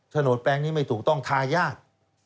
โนดแปลงนี้ไม่ถูกต้องทายาท